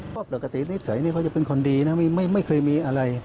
ปกตินิดใสเขาจะเป็นคนดีนะไม่เคยมีอะไร